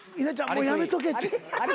もうやめとけって。